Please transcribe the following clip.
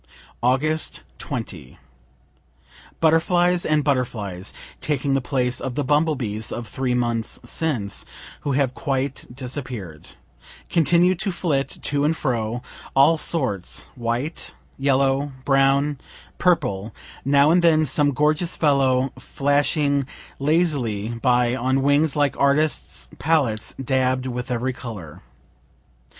Aug. 20. Butterflies and butterflies, (taking the place of the bumble bees of three months since, who have quite disappear'd,) continue to flit to and fro, all sorts, white, yellow, brown, purple now and then some gorgeous fellow flashing lazily by on wings like artists' palettes dabb'd with every color.